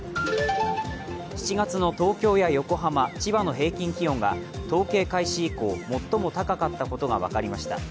７月の東京や横浜、千葉の平均気温が統計開始以降最も高かったことが分かりました。